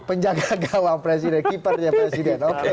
penjaga gawang presiden keepernya presiden